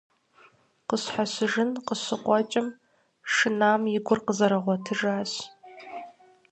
Къыщхьэщыжын къыщыкъуэкӀым, шынам и гур къызэрыгъуэтыжащ.